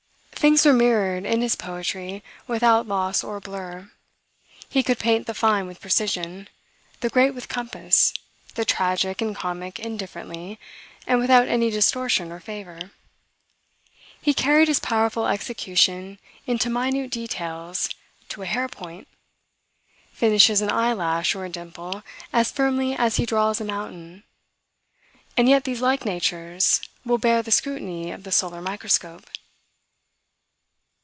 Things were mirrored in his poetry without loss or blur: he could paint the fine with precision, the great with compass; the tragic and comic indifferently, and without any distortion or favor. He carried his powerful execution into minute details, to a hair point; finishes an eyelash or a dimple as firmly as he draws a mountain; and yet these like nature's, will bear the scrutiny of the solar microscope.